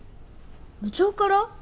部長から？